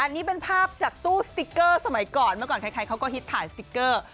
อันนี้เป็นภาพจากตู้สติ๊กเกอร์สมัยก่อนเมื่อก่อนใครเขาก็ฮิตถ่ายสติ๊กเกอร์